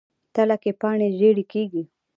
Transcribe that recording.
تله کې پاڼې ژیړي کیږي.